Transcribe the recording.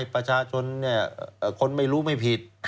ประชาชนคนไม่รู้ไม่ผิด